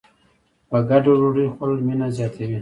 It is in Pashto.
په ګډه ډوډۍ خوړل مینه زیاتوي.